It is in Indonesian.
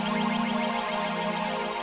mungkin ada pedangmu